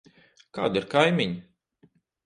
Kādi ir kaimiņi?